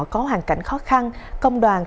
có hoàn cảnh khó khăn công đoàn